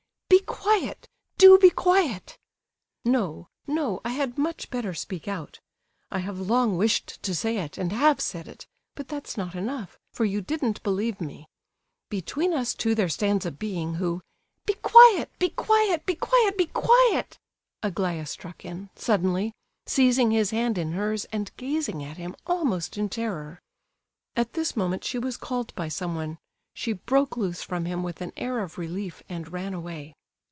"Be quiet, do be quiet!" "No, no, I had much better speak out. I have long wished to say it, and have said it, but that's not enough, for you didn't believe me. Between us two there stands a being who—" "Be quiet, be quiet, be quiet, be quiet!" Aglaya struck in, suddenly, seizing his hand in hers, and gazing at him almost in terror. At this moment she was called by someone. She broke loose from him with an air of relief and ran away.